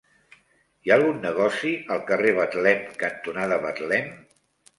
Hi ha algun negoci al carrer Betlem cantonada Betlem?